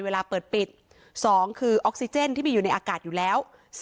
เวลาเปิดปิด๒คือออกซิเจนที่มีอยู่ในอากาศอยู่แล้ว